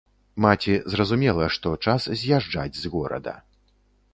Маці зразумела, што час з'язджаць з горада.